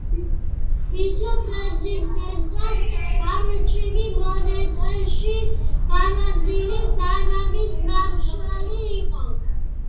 ვიცე-პრეზიდენტად არჩევის მომენტში ბრაზილიის არმიის მარშალი იყო.